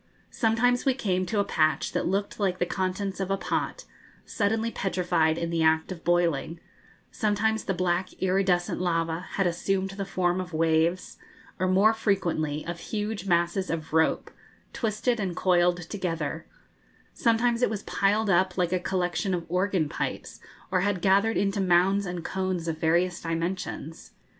Sometimes we came to a patch that looked like the contents of a pot, suddenly petrified in the act of boiling; sometimes the black iridescent lava had assumed the form of waves, or more frequently of huge masses of rope, twisted and coiled together; sometimes it was piled up like a collection of organ pipes, or had gathered into mounds and cones of various dimensions.